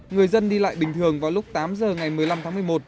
người dân đi lại bình thường vào lúc tám giờ ngày một mươi năm tháng một mươi một